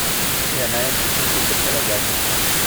Di leɛnaya-nkent ur yi-ttaǧǧamt ara da akked Tom.